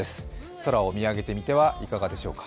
空を見上げてみてはいかがでしょうか？